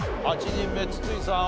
８人目筒井さん